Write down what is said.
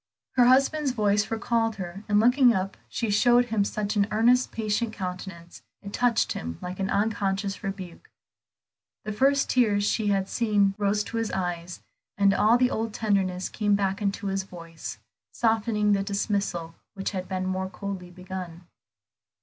Her husband's voice recalled her, and looking up she showed him such an earnest, patient countenance, it touched him like an unconscious rebuke. The first tears she had seen rose to his eyes, and all the old tenderness came back into his voice, softening the dismissal which had been more coldly begun.